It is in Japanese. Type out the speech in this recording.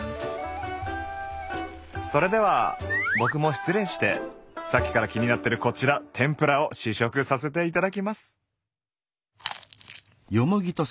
それでは僕も失礼してさっきから気になってるこちら天ぷらを試食させていただきます！